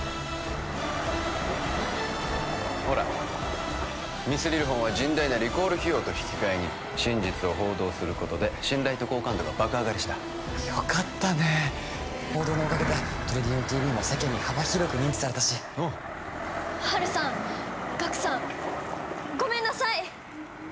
ほらミスリルフォンは甚大なリコール費用と引き換えに真実を報道することで信頼と好感度が爆上がりしたよかったね報道のおかげでトリリオンＴＶも世間に幅広く認知されたしおうハルさんガクさんごめんなさい！